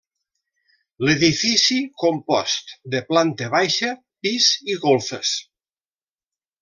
L'edifici compost de planta baixa, pis i golfes.